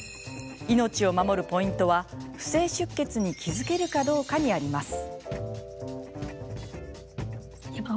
命を守るポイントは、不正出血に気付けるかどうか、にあります。